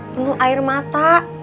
penuh air mata